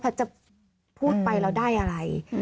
แพทย์จะพูดไปแล้วได้อะไร